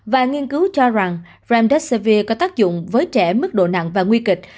và nghiên cứu cho rằng franddussivir có tác dụng với trẻ mức độ nặng và nguy kịch